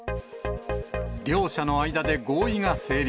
両者の間で合意が成立。